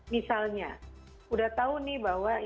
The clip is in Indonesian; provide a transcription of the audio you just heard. misalnya sudah tahu nih bahwa indonesia